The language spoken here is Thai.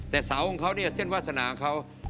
แต่เสาของเขาเนี่ยเส้นวาสนาเขา